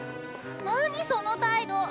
何その態度！